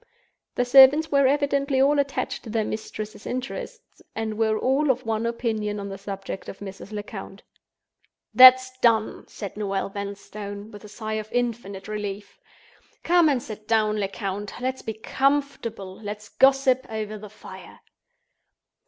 The servants were evidently all attached to their mistress's interests, and were all of one opinion on the subject of Mrs. Lecount. "That's done!" said Noel Vanstone, with a sigh of infinite relief. "Come and sit down, Lecount. Let's be comfortable—let's gossip over the fire."